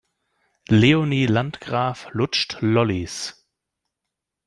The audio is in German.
Leonie Landgraf lutscht Lollis.